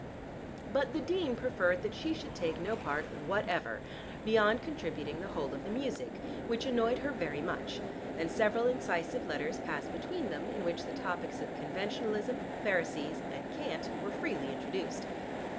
But the dean preferred that she should take no part whatever, beyond contributing the whole of the music, which annoyed her very much, and several incisive letters passed between them in which the topics of conventionalism, Pharisees and cant were freely introduced.